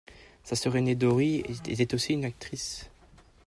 Sa sœur aînée Dory était aussi une actrice.